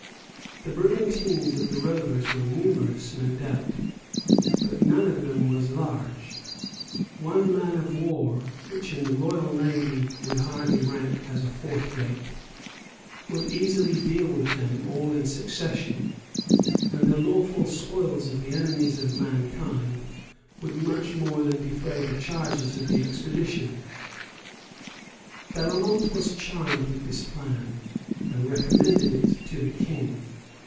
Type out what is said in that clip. The brigantines of the rovers were numerous, no doubt; but none of them was large; one man of war, which in the royal navy would hardly rank as a fourth rate, would easily deal with them all in succession; and the lawful spoils of the enemies of mankind would much more than defray the charges of the expedition. Bellamont was charmed with this plan, and recommended it to the King.